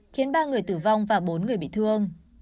khiến ba người tử vong và bốn người bị thương